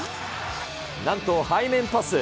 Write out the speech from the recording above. なんと背面パス。